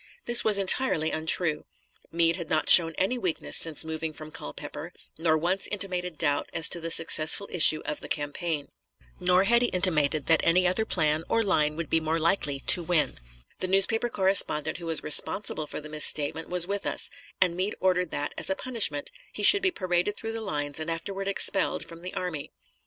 This was entirely untrue. Meade had not shown any weakness since moving from Culpeper, nor once intimated doubt as to the successful issue of the campaign. Nor had he intimated that any other plan or line would be more likely to win. The newspaper correspondent who was responsible for the misstatement was with us, and Meade ordered that, as a punishment, he should be paraded through the lines and afterward expelled from the army.